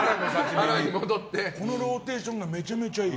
このローテーションがめちゃめちゃいい。